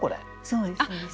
そうですそうです。